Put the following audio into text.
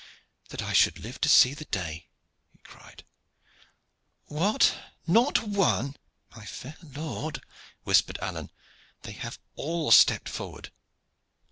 "That I should live to see the day!" he cried. "What! not one " "My fair lord," whispered Alleyne, "they have all stepped forward."